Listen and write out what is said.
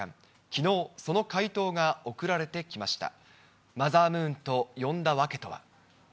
きのう、その回答が送られてきました。